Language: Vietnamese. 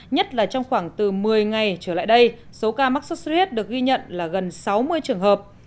nhất là trong khoảng từ một mươi ngày trở lại đây số ca mắc sốt xuất huyết được ghi nhận là gần sáu mươi trường hợp